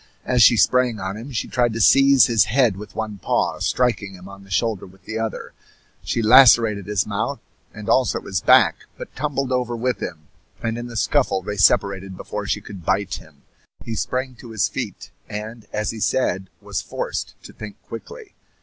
As she sprang on him she tried to seize his head with one paw, striking him on the shoulder with the other. She lacerated his mouth and also his back, but tumbled over with him, and in the scuffle they separated before she could bite him. He sprang to his feet, and, as he said, was forced to think quickly.